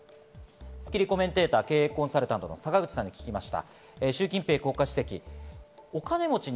スッキリコメンテーターの経営コンサルタントの坂口さんに聞きました。